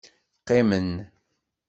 Qqimen.